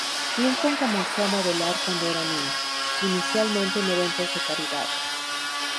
Hilton comenzó a modelar cuando era niña, inicialmente en eventos de caridad.